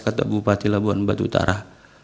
kata bupati labuan batu utara